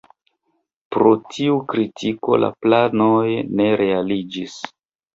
Pro tiu kritiko la planoj ne realiĝis.